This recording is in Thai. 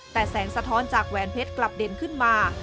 แต่แสงสะท้อนจากแหวนเพชรกลับเด่นขึ้นมา